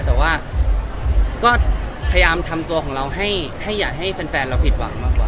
แต่ว่าก็พยายามทำตัวของเราให้อย่าให้แฟนเราผิดหวังมากกว่า